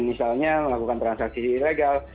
misalnya melakukan transaksi ilegal